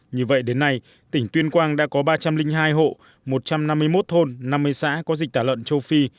như vậy đến nay tỉnh tuyên quang đã có ba trăm linh hai hộ một trăm năm mươi một thôn năm mươi xã có dịch tả lợn châu phi